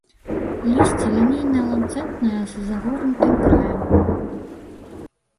Лісце лінейна-ланцэтнае, з загорнутым краем.